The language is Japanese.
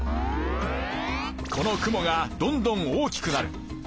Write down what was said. この雲がどんどん大きくなる。